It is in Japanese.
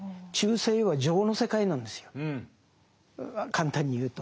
簡単に言うと。